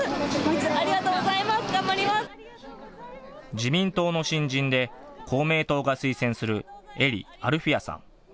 自民党の新人で公明党が推薦する英利アルフィヤさん。